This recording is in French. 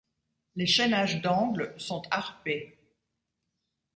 Les chaînages d'angle sont harpés.